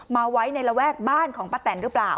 มาไว้ในระแวกบ้านของป้าแตนหรือเปล่า